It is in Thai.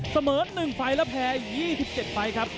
เสมอ๑ไฟล์และแพ้๒๗ไฟล์ครับ